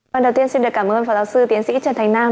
vâng đầu tiên xin được cảm ơn phó giáo sư tiến sĩ trần thành nam